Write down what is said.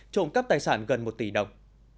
trộm cắp tài sản gần một tỷ đồng